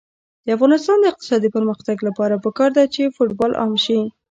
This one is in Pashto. د افغانستان د اقتصادي پرمختګ لپاره پکار ده چې فوټبال عام شي.